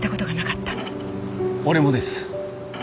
俺もです。